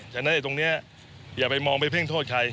ฉะนั้นอย่าไปมอบไปเพ่งโทษใคร